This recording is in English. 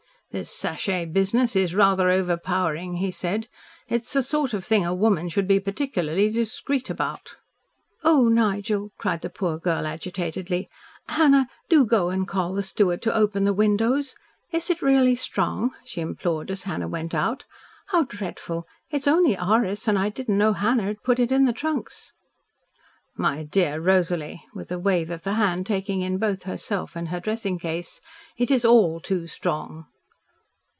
"This sachet business is rather overpowering," he said. "It is the sort of thing a woman should be particularly discreet about." "Oh, Nigel!" cried the poor girl agitatedly. "Hannah, do go and call the steward to open the windows. Is it really strong?" she implored as Hannah went out. "How dreadful. It's only orris and I didn't know Hannah had put it in the trunks." "My dear Rosalie," with a wave of the hand taking in both herself and her dressing case, "it is all too strong."